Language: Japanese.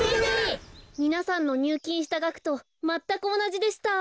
みなさんのにゅうきんしたがくとまったくおなじでした。